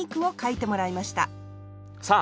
さあ